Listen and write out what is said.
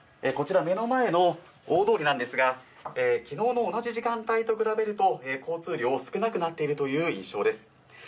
目の前の大通りなんですが、昨日の同じ時間帯と比べると交通量、少なくなっているという印象です。